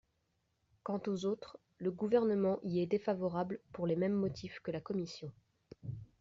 Quant aux autres, le Gouvernement y est défavorable pour les mêmes motifs que la commission.